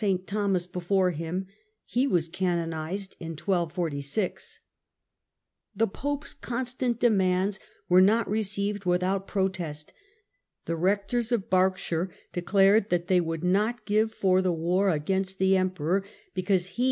Thomas before him. He was canonized in 1246. The pope's constant demands were not received without protest. The rectors of Berkshire declared that they would not give for the war against the emperor, because he ROBERT GROSSETESTE.